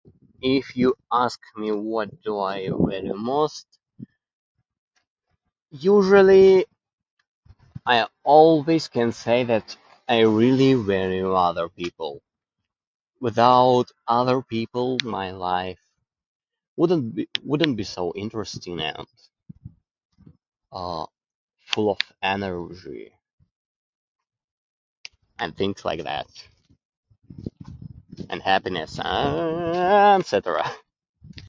If you ask me what do I value most, usually I always can say that I really value other people. Without other people, my life wouldn't be, wouldn't be so interesting and, uh, full of energy, and things like that. And happiness, eh, et cetera.